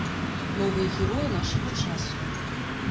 Новыя героі нашага часу.